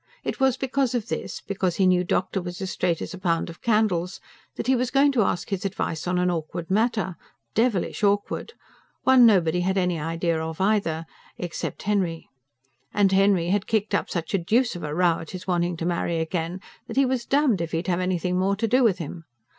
It was because of this, because he knew doctor was as straight as a pound of candles, that he was going to ask his advice on an awkward matter devilish awkward! one nobody had any idea of either except Henry. And Henry had kicked up such a deuce of a row at his wanting to marry again, that he was damned if he'd have anything more to do with him.